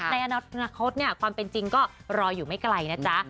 ในอนาคตความเป็นจริงก็รออยู่ไม่ไกลนะจ๊ะ